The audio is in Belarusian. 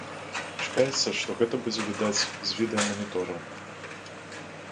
Чакаецца, што гэта будзе відаць з відэаманітораў!